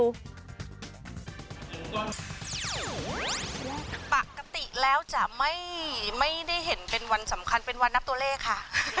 ปกติแล้วจะไม่ได้เห็นเป็นวันสำคัญเป็นวันนับตัวเลขค่ะ